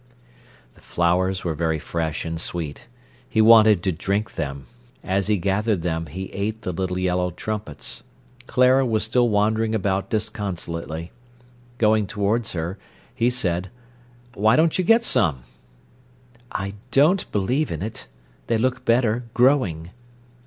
The flowers were very fresh and sweet. He wanted to drink them. As he gathered them, he ate the little yellow trumpets. Clara was still wandering about disconsolately. Going towards her, he said: "Why don't you get some?" "I don't believe in it. They look better growing."